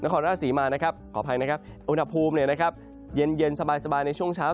ขอไภให้นะครับอุณหภูมิเลือนยนต์สบายในช่วงช้า